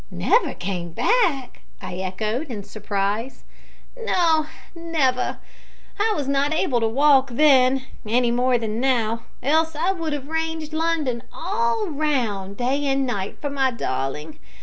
"Never came back!" I echoed, in surprise. "No never. I was not able to walk then, any more than now, else I would have ranged London all round, day and night, for my darling.